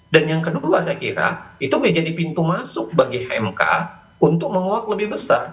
dan yang kedua saya kira itu menjadi pintu masuk bagi mk untuk menguak lebih besar